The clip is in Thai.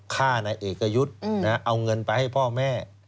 ฆ่านายเอกยุทธ์เอาเงินไปให้พ่อแม่